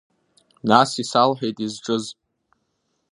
Нас исалҳәеит изҿыз.